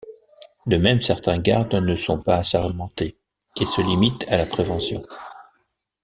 De même certains gardes ne sont pas assermentés et se limitent à la prévention.